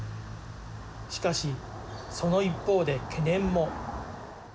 しかし、その一方で懸念も。